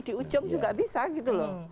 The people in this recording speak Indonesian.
di ujung juga bisa gitu loh